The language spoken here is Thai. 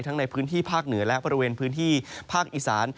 ในพื้นที่ภาคเหนือและบริเวณพื้นที่ภาคอีสาน